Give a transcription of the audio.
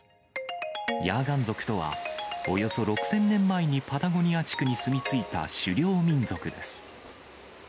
ヤーガン族とは、およそ６０００年前にパタゴニア地区に住み着いた狩猟民族です。